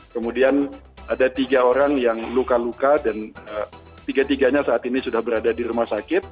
kemudian ada tiga orang yang luka luka dan tiga tiganya saat ini sudah berada di rumah sakit